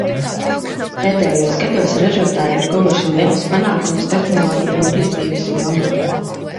Pēdējos gados ražotāji ir guvuši lielus panākumus tehnoloģiju attīstības jomā.